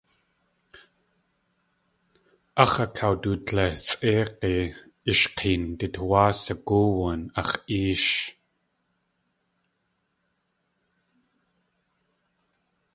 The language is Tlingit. Áx̲ akawdudlisʼeig̲i ishk̲een du tuwáa sagóowun ax̲ éesh.